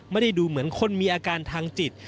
ดูเหมือนคนมีอาการทางจิต